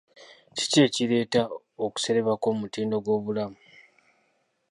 Ki ekireeta okusereba kw'omutindo gw'obulamu?